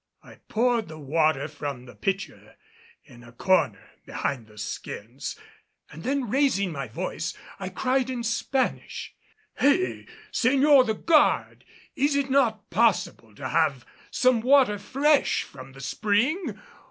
I poured the water from the pitcher in a corner behind the skins and then raising my voice I cried in Spanish, "Hey, señor the guard! Is it not possible to have some water fresh from the spring?